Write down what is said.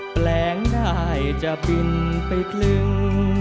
แปลงได้จะบินไปครึ่ง